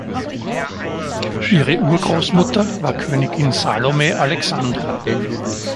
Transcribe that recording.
Ihre Urgroßmutter war Königin Salome Alexandra.